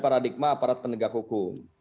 paradigma aparat kendegak hukum